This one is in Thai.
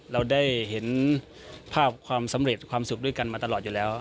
เราได้เห็นภาพความสำเร็จความสุขด้วยกันมาตลอดอยู่แล้ว